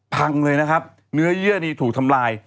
พังเลยนะครับเนื้อเยื่อนี่ถูกทำลาย